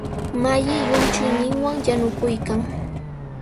Malli llumchuyninwan yanukuykan.